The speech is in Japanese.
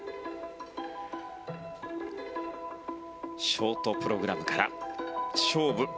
ショートプログラムから勝負。